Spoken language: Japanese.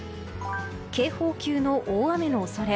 警報級の大雨の恐れ。